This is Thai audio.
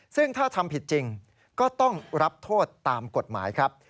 ซึ่งถ้าทำผิดจริงก็ต้องรับโทษตามกฎหมายครับ